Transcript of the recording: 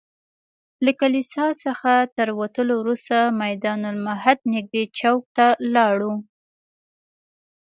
له کلیسا څخه تر وتلو وروسته میدان المهد نږدې چوک ته لاړو.